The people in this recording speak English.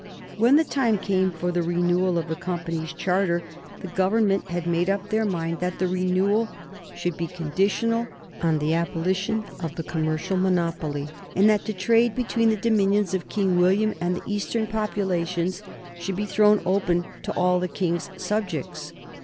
When the time came for the renewal of the Company's charter, the Government had made up their mind that the renewal should be conditional on the abolition of the commercial monopoly, and that the trade between the dominions of King William and the Eastern populations should be thrown open to all the King's subjects.